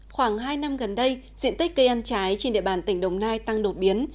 khoảng hai năm gần đây diện tích cây ăn trái trên địa bàn tỉnh đồng nai tăng đột biến